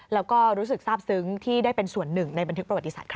แล้วก็รู้สึกทราบซึ้งที่ได้เป็นส่วนหนึ่งในประวัติศาสตร์ครับ